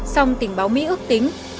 song tình báo mỹ ước tính